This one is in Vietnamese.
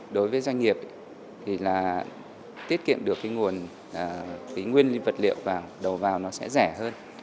đối với doanh nghiệp thì tiết kiệm được nguyên vật liệu đầu vào sẽ rẻ hơn